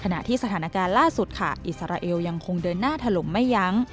ในสถานการณ์ล่าสุดอิสราเอลยังคงเดินหน้าทะลุมไม่ยัง